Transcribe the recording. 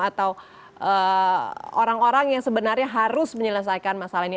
atau orang orang yang sebenarnya harus menyelesaikan masalah ini